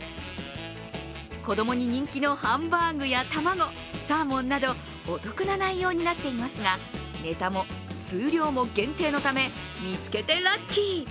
子供に人気のハンバーグやたまご、サーモンなどお得な内容になっていますが、ネタも数量も限定のため見つけてラッキー。